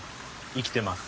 生きてます。